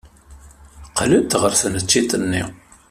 Qqlent ɣer tneččit-nni.